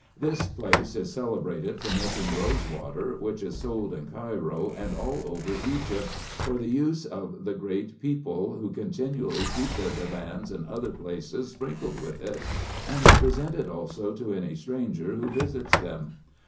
This place is celebrated for making rose water, which is sold in Cairo, and all over Egypt, for the use of the great people, who continually keep their divans and other places sprinkled with it, and present it also to any stranger who visits them.